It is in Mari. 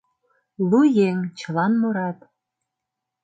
Лу еҥ, чылан мурат: